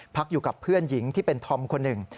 พักอยู่กับเพื่อนหญิงที่เป็นธอมคนหนึ่ง